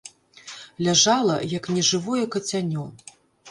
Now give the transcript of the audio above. Ляжала, як нежывое кацянё.